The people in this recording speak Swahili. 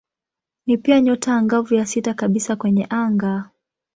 Ni pia nyota angavu ya sita kabisa kwenye anga.